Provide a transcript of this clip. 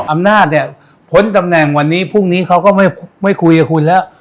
อำนาจเนี่ยพ้นตำแหน่งวันนี้พรุ่งนี้เขาก็ไม่คุยกับคุณแล้ว